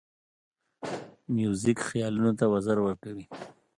موزیک خیالونو ته وزر ورکوي.